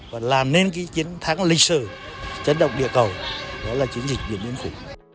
và làm nên cái chiến thắng lịch sử chấn động địa cầu đó là chiến dịch điện biên phủ